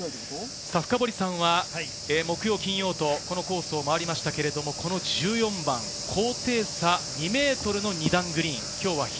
深堀さんは木曜・金曜とこのコースを回りましたが、１４番、高低差２ｍの２段グリーン。